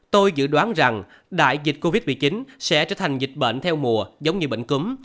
tôi dự đoán rằng đại dịch covid một mươi chín sẽ trở thành dịch bệnh theo mùa giống như bệnh cúm